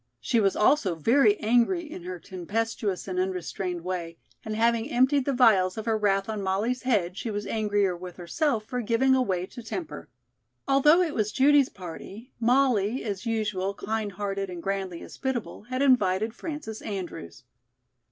She was also very angry in her tempestuous and unrestrained way, and having emptied the vials of her wrath on Molly's head, she was angrier with herself for giving away to temper. Although it was Judy's party, Molly, as usual kind hearted and grandly hospitable, had invited Frances Andrews.